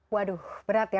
waduh berat ya